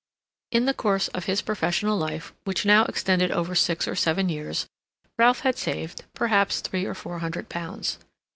In the course of his professional life, which now extended over six or seven years, Ralph had saved, perhaps, three or four hundred pounds.